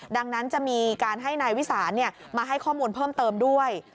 ดังนั้นจะมีการให้นายวิสานมาให้ข้อมูลเพิ่มเติมด้วย